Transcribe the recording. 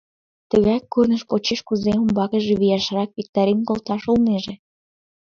Тыгай курныж почеш кузе умбакыже вияшрак виктарен колташ улнеже?»